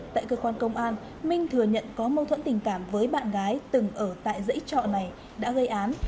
tại cơ quan công an minh thừa nhận có mâu thuẫn tình cảm với bạn gái từng ở tại dãy trọ này đã gây án